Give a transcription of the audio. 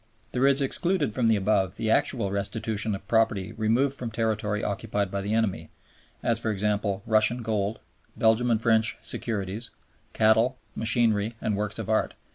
There is excluded from the above the actual restitution of property removed from territory occupied by the enemy, as, for example, Russian gold, Belgian and French securities, cattle, machinery, and works of art.